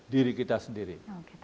diri kita sendiri